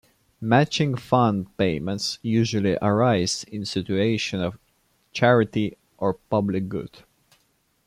Matching fund payments usually arise in situations of charity or public good.